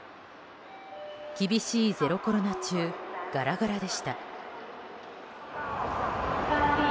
厳しいゼロコロナ中ガラガラでした。